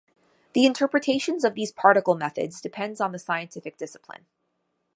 The interpretations of these particle methods depends on the scientific discipline.